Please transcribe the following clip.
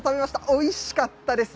おいしかったです。